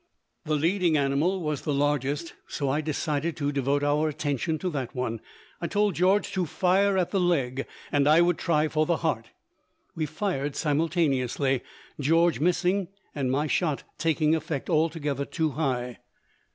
The leading animal was the largest, so I decided to devote our attention to that one. I told George to fire at the leg and I would try for the heart. We fired simultaneously, George missing and my shot taking effect altogether too high.